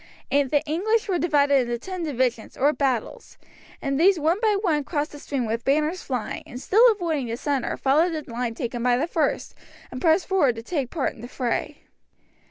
The English were divided into ten divisions or "battles," and these one by one crossed the stream with banners flying, and still avoiding the centre, followed the line taken by the first, and pressed forward to take part in the fray.